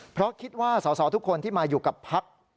เพราะคิดว่าสอสอทุกคนที่มาอยู่กับพัก